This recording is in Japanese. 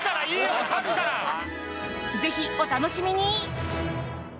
ぜひ、お楽しみに。